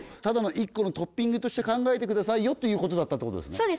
ただの一個のトッピングとして考えてくださいよということだったってことですね